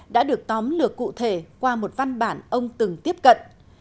đã được tóm lược cụ thể qua một văn bản ông từng tiếp cận